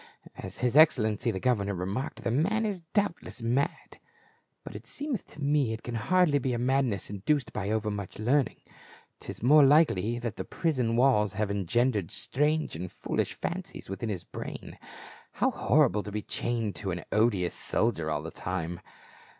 As his excellency the governor remarked, the man is doubtless mad ; but it seemeth to me it can hardly be a madness induced by overmuch learning ; 'tis more likely that the prison walls have engendered strange and foolish fancies within his brain. How horrible to be chained to an odious soldier all the time."